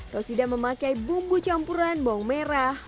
rosida memakai bumbu campuran bawang merah